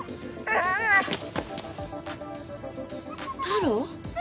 タロ？